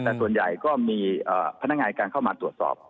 แต่ส่วนใหญ่ก็มีพนักงานการเข้ามาตรวจสอบ